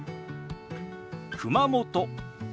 「熊本」。